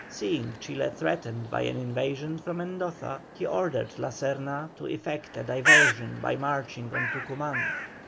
Seeing Chile threatened by an invasion from Mendoza, he ordered La Serna to effect a diversion by marching on Tucuman.